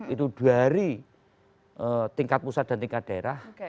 itu dari tingkat pusat dan tingkat daerah